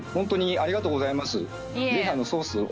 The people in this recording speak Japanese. ありがとうございます！